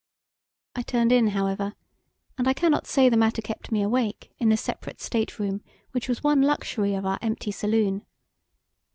I turned in, however, and I cannot say the matter kept me awake in the separate state room which was one luxury of our empty saloon.